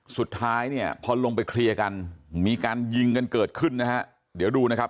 สุดท้ายเนี่ยพอลงไปเคลียร์กันมีการยิงกันเกิดขึ้นนะฮะเดี๋ยวดูนะครับ